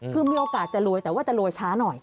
คือมีโอกาสจะรวยแต่ว่าจะรวยช้าหน่อย